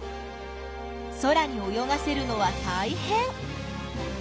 空に泳がせるのはたいへん！